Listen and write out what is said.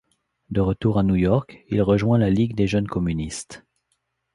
De retour à New York il rejoint la Ligue des jeunes communistes.